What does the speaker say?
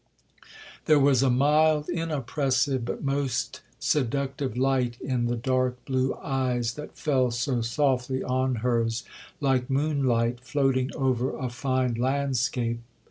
There was a mild, inoppressive, but most seductive light in the dark blue eyes that fell so softly on hers, like moon light floating over a fine landscape.